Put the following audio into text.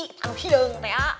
makasih anu hidung tea